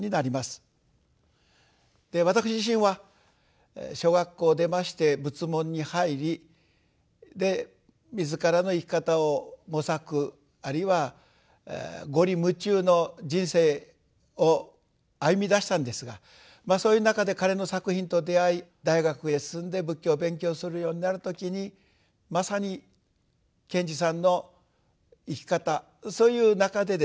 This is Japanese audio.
私自身は小学校を出まして仏門に入りで自らの生き方を模索あるいは五里霧中の人生を歩みだしたんですがそういう中で彼の作品と出会い大学へ進んで仏教を勉強するようになる時にまさに賢治さんの生き方そういう中でですね